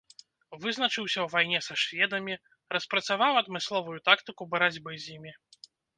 Вызначыўся ў вайне са шведамі, распрацаваў адмысловую тактыку барацьбы з імі.